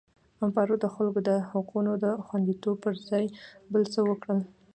امپارو د خلکو د حقونو د خوندیتوب پر ځای بل څه وکړل.